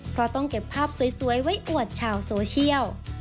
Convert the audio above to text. เพราะต้องเก็บภาพสวยไว้อวดชาวโซเชียล